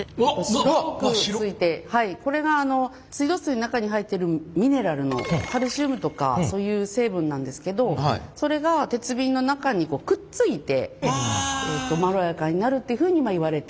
白くついてこれが水道水の中に入っているミネラルのカルシウムとかそういう成分なんですけどそれが鉄瓶の中にくっついてまろやかになるっていうふうにいわれています。